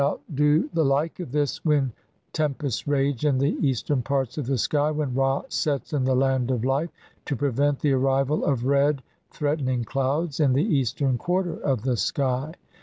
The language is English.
CLV "do the like of this when tempests rage in the east "ern parts of the sky when Ra sets in the land of "life, to prevent the arrival of red threatening clouds "in the eastern quarter of the sky.